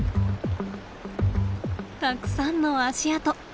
たくさんの足跡。